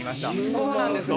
そうなんです